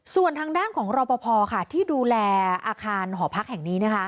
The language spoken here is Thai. ส่วนทางด้านของรอปภที่ดูแลอาคารหอพักแห่งนี้นะคะ